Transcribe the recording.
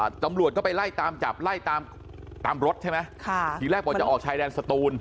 ตำรวจก็ไปไล่ตามจับไล่ตามตามรถใช่ไหมค่ะทีแรกบอกจะออกชายแดนสตูน